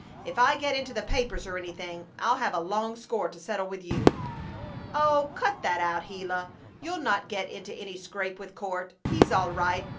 If I get into the papers or anything I'll have a long score to settle with you." "Oh, cut that out, Gila! You'll not get into any scrape with Court. He's all right.